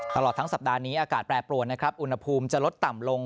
ตลอดทั้งสัปดาห์นี้อากาศแปรปรวนนะครับอุณหภูมิจะลดต่ำลง